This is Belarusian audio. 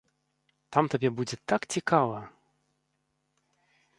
Там табе будзе так цікава!